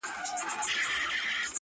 څنګه دا کور او دا جومات او دا قلا سمېږي٫